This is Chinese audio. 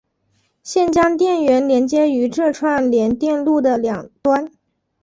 现将电源连接于这串联电路的两端。